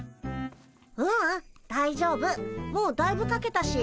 ううん大丈夫もうだいぶかけたし。